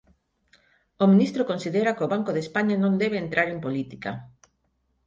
O ministro considera que o Banco de España non debe entrar en política